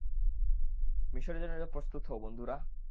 মিশনের জন্য প্রস্তুত হও, বন্ধুরা।